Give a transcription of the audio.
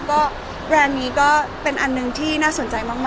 ก็แบรนด์นี้ก็เป็นอันหนึ่งที่น่าสนใจมาก